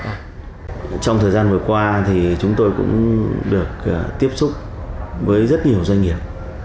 trong thời gian vừa qua thì chúng tôi cũng được tiếp xúc với rất nhiều doanh nghiệp